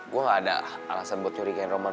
gue gak ada alasan buat curigain roman